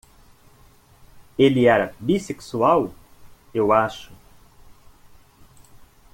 Ele era bissexual? eu acho.